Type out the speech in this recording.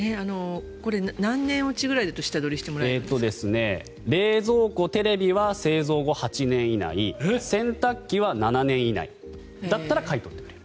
何年落ちぐらいだと冷蔵庫、テレビは製造後８年以内洗濯機は７年以内だったら買い取ってくれる。